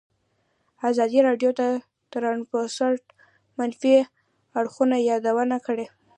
ازادي راډیو د ترانسپورټ د منفي اړخونو یادونه کړې.